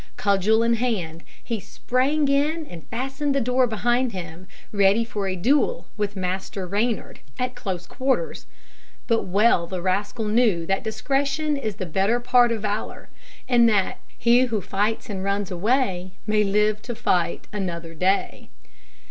Cudgel in hand, he sprang in and fastened the door behind him, ready for a duel with Master Reynard at close quarters. But well the rascal knew that discretion is the better part of valour, and that "He who fights and runs away, May live to fight another day."